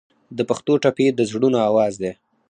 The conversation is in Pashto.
د پښتو ټپې د زړونو اواز دی.